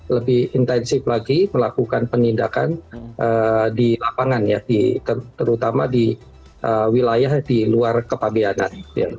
lebih intensif lagi melakukan penindakan di lapangan ya terutama di wilayah di luar kepabianan